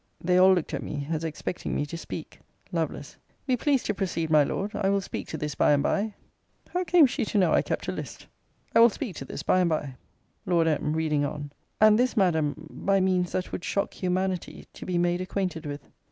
They all looked at me, as expecting me to speak. Lovel. Be pleased to proceed, my Lord: I will speak to this by and by How came she to know I kept a list? I will speak to this by and by. Lord M. [Reading on.] 'And this, Madam, by means that would shock humanity to be made acquainted with.'